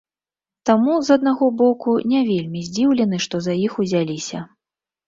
Таму, з аднаго боку, не вельмі здзіўлены, што за іх узяліся.